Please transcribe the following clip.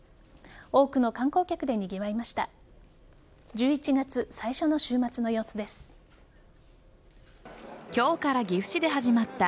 多くの観光客でにぎわいました。